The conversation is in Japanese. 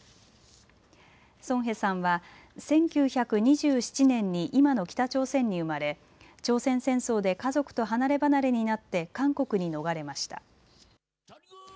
ソン・ヘさんは１９２７年に今の北朝鮮に生まれ、朝鮮戦争で家族と離ればなれになって韓国に逃れました。